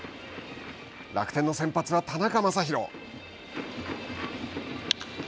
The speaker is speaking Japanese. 楽天の先発は、田中将大。